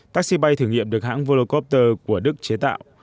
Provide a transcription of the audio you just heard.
taxi bay thử nghiệm được hãng volokopter của đức chế tạo